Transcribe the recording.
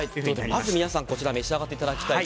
まず皆さんこちらを召し上がってください。